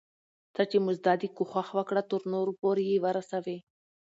څه چي مو زده دي، کوښښ وکړه ترنور پورئې ورسوې.